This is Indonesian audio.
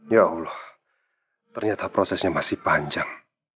ya allah ternyata prosesnya masih panjang